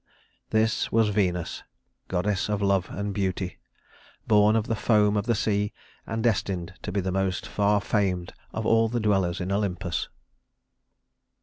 This was Venus, goddess of love and beauty, born of the foam of the sea, and destined to be the most far famed of all the dwellers in Olympus.